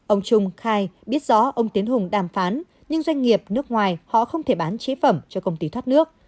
ông trung khai biết rõ ông tiến hùng đàm phán nhưng doanh nghiệp nước ngoài họ không thể bán chế phẩm cho công ty thoát nước